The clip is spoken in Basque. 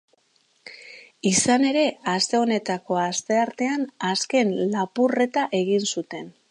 Izan ere, aste honetako asteartean azken lapurreta egin zuten.